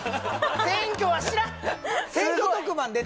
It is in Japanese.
選挙は知らん！